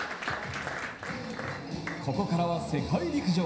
ここからは世界陸上。